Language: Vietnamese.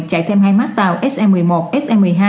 chạy thêm hai mác tàu se một mươi một se một mươi hai